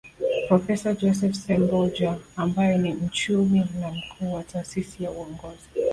Profesa Joseph Semboja ambaye ni mchumi na mkuu wa Taasisi ya Uongozi